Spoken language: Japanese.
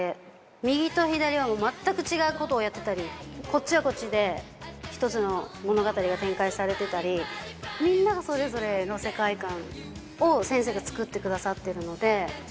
右と左は全く違うことをやってたり、こっちはこっちで一つの物語が展開されていたり、みんながそれぞれの世界観を先生が作ってくださってるので。